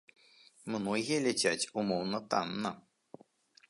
Многія ляцяць умоўна танна.